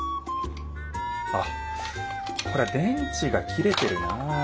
あっこれ電池が切れてるなあ。